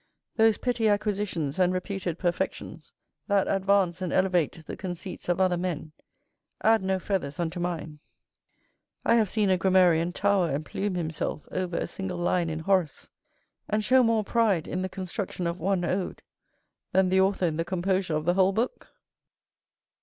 Those petty acquisitions and reputed perfections, that advance and elevate the conceits of other men, add no feathers unto mine. I have seen a grammarian tower and plume himself over a single line in Horace, and show more pride, in the construction of one ode, than the author in the composure of the whole book.